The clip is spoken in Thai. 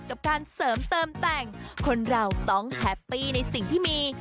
กับการเสริมเติมแต่งคนเราต้องแฮปปี้ในสิ่งที่มี